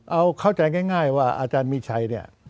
เอาเข้าใจง่ายว่าอาจารย์มีชัยเนี่ย